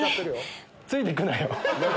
ついてくなよ。